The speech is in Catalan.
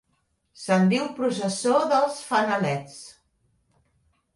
Se'n diu processó dels fanalets.